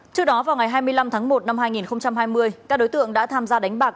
trước đó vào ngày hai mươi năm tháng một năm hai nghìn hai mươi các đối tượng đã tham gia đánh bạc